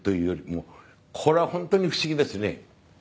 これは本当に不思議ですね。